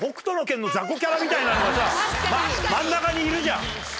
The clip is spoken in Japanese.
みたいなのがさ真ん中にいるじゃん。